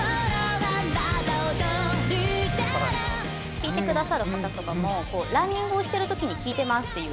聴いてくださる方とかも、ランニングをしているときに聴いてますっていう。